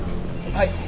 はい！